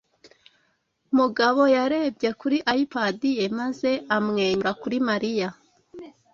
Mugabo yarebye kuri iPad ye maze amwenyura kuri Mariya.